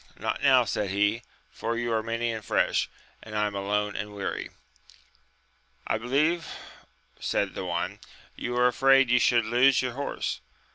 Not now, said he, for you are many and fresh, and I am alone and weary. I be lieve said the one, you are afraid you should lose your horse.